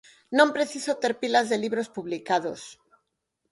Non preciso ter pilas de libros publicados.